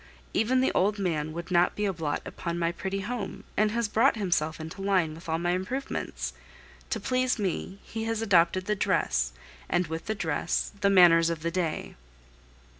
Even the old man would not be a blot upon my pretty home, and has brought himself into line with all my improvements; to please me he has adopted the dress, and with the dress, the manners of the day.